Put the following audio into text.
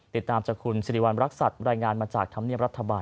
ติดตามจากคุณสิริวัณรักษัตริย์รายงานมาจากธรรมเนียบรัฐบาล